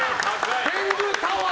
天狗タワー！